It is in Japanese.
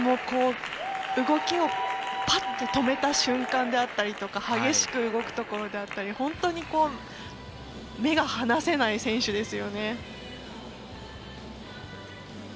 動きをパッと止めた瞬間であったりとか激しく動くところであったり本当に目が離せない選手ですよね。